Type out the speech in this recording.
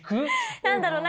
何だろう？